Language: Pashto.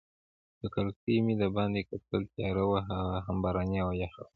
په کړکۍ کې مې دباندې کتل، تیاره وه هوا هم باراني او یخه وه.